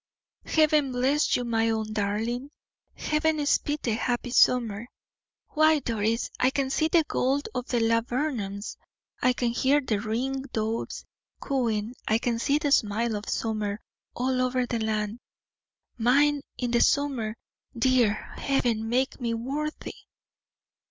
"Heaven bless you, my own darling! Heaven speed the happy summer. Why, Doris, I can see the gold on the laburnums, I can hear the ring doves cooing, I can see the smile of summer all over the land! Mine in the summer, dear; Heaven, make me worthy!"